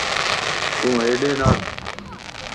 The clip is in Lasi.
تون ھيڏي نار